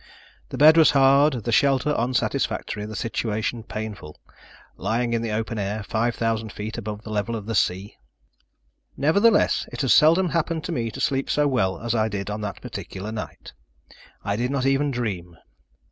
The bed was hard, the shelter unsatisfactory, the situation painful lying in the open air, five thousand feet above the level of the sea! Nevertheless, it has seldom happened to me to sleep so well as I did on that particular night. I did not even dream.